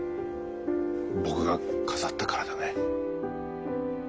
僕が飾ったからだね。